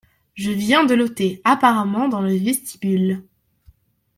Je viens de l’ôter apparemment dans le vestibule.